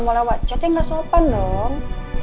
mau lewat chatnya gak sopan dong